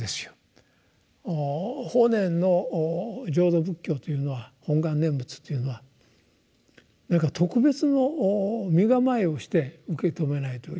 法然の浄土仏教というのは本願念仏というのは何か特別の身構えをして受け止めないといけないのかと思う必要はないんですね。